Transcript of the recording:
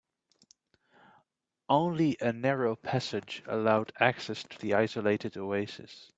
Only a narrow passage allowed access to the isolated oasis.